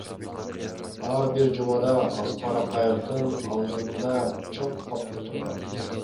Ар бир жумада Аскар Акаевдин алдында чоң папка турган.